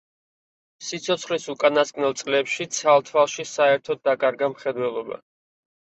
სიცოცხლის უკანასკნელ წლებში ცალ თვალში საერთოდ დაკარგა მხედველობა.